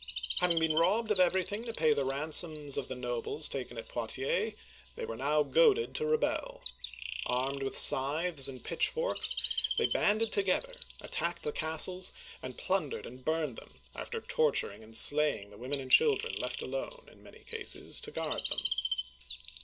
Having been robbed of everything to pay the ransoms of the nobles taken at Poitiers, they were now goaded to rebel.* Armed with scythes and pitchforks, they banded together, attacked the castles, and plundered and burned them, after torturing and sldying the women and children left alone in many cases to guard them.